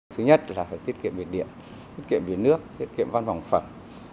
thứ nhất là phải tiết kiệm biệt điện tiết kiệm biệt nước tiết kiệm văn phòng phẩm